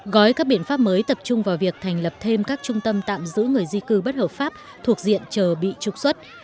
gói các biện pháp mới tập trung vào việc thành lập thêm các trung tâm tạm giữ người di cư bất hợp pháp thuộc diện chờ bị trục xuất